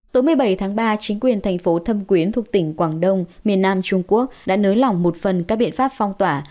tối một mươi bảy tháng ba chính quyền thành phố thâm quyến thuộc tỉnh quảng đông miền nam trung quốc đã nới lỏng một phần các biện pháp phong tỏa